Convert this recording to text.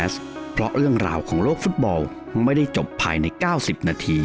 สวัสดีครับ